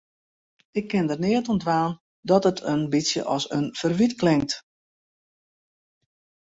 Ik kin der neat oan dwaan dat it in bytsje as in ferwyt klinkt.